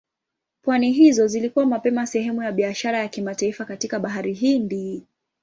Pwani hizo zilikuwa mapema sehemu ya biashara ya kimataifa katika Bahari Hindi.